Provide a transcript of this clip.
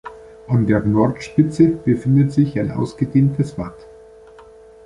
An der Nordspitze befindet sich ein ausgedehntes Watt.